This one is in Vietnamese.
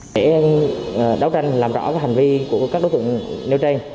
để đấu tranh làm rõ hành vi của các đối tượng nêu trên